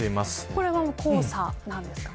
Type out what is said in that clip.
これが黄砂なんですかね。